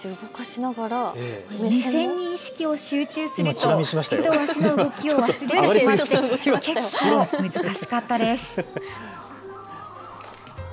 目線に意識を集中すると手足の動きを忘れてしまって結構、難しかったです。